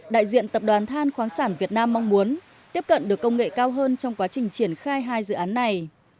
đại diện tập đoàn than khoáng sản việt nam mong muốn tiếp cận được công nghệ cao hơn trong quá trình triển khai hai dự án này